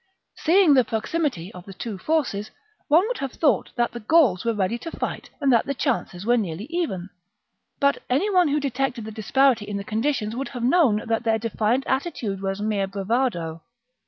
Seeing the proximity of the two forces, one would have thought that the Gauls were ready to fight and that the chances were nearly even ; but any one who detected the disparity in the conditions would have known that their defiant attitude was mere bravado.